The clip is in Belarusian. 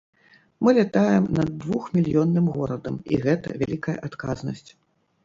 Мы лятаем над двух мільённым горадам, і гэта вялікая адказнасць.